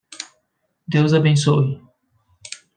Deus abençoe